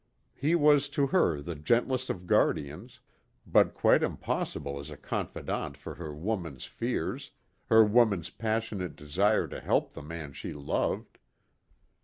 He was to her the gentlest of guardians, but quite impossible as a confidant for her woman's fears, her woman's passionate desire to help the man she loved.